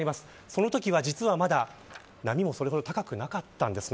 そのときは、まだ波もそれほど高くなかったんです。